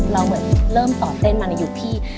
เราเหมือนเริ่มต่อเต้นมาในยุคที่